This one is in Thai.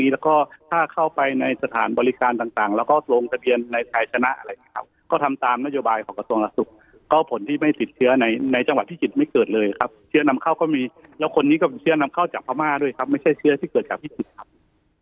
แล้วก็ถ้าเข้าไปในสถานบริการต่างแล้วก็ลงทะเบียนในไทยชนะอะไรอย่างนี้ครับก็ทำตามนโยบายของกระทรวงสาสุขก็ผลที่ไม่ติดเชื้อในในจังหวัดพิจิตรไม่เกิดเลยครับเชื้อนำเข้าก็มีแล้วคนนี้ก็เป็นเชื้อนำเข้าจากพม่าด้วยครับไม่ใช่เชื้อที่เกิดจากพิจิตรครับ